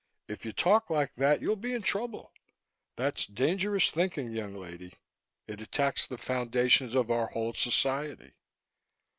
If you talk like that, you'll be in trouble. That's dangerous thinking, young lady. It attacks the foundations of our whole society!"